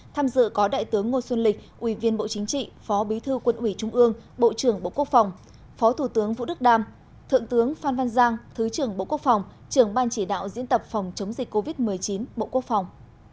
tham dự có đại tướng ngô xuân lịch ủy viên bộ chính trị phó bí thư quân ủy trung ương bộ trưởng bộ quốc phòng phó thủ tướng vũ đức đam thượng tướng phan văn giang thứ trưởng bộ quốc phòng trưởng ban chỉ đạo diễn tập phòng chống dịch covid một mươi chín bộ quốc phòng